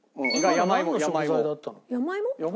山芋？